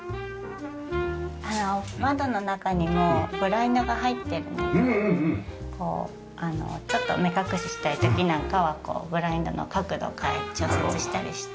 あの窓の中にもブラインドが入っているのでちょっと目隠ししたい時なんかはブラインドの角度を調節したりして。